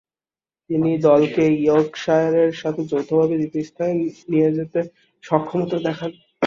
তিনি দলকে ইয়র্কশায়ারের সাথে যৌথভাবে দ্বিতীয় স্থানে নিয়ে যেতে সক্ষমতা দেখান।